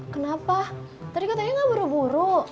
kenapa tadi katanya mah buru buru